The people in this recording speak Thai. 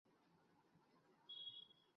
ปัจจุบันใช้คำว่า เรา แทนคำว่า กู